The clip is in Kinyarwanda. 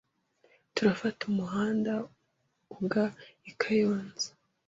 Turafata umuhanda uga I Kayonza